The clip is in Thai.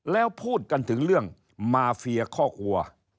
แล้วพูดกันถึงเรื่องมาเฟียคอกวัว